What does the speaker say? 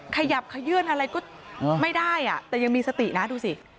ขยับขยื่นอะไรก็ไม่ได้แต่ยังมีสตินะดูสิ